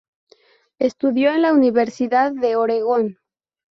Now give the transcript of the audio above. Estudió en la Universidad de Oregón.